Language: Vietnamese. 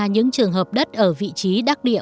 những trường hợp đất ở vị trí đắc địa